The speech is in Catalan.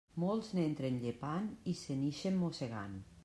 Molts n'entren llepant i se n'ixen mossegant.